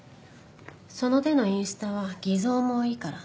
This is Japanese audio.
その手のインスタは偽造も多いから。